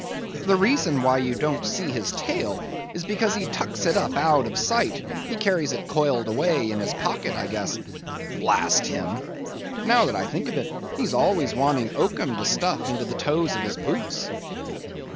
The reason why you don't see his tail, is because he tucks it up out of sight; he carries it coiled away in his pocket, I guess. Blast him! now that I think of it, he's always wanting oakum to stuff into the toes of his boots."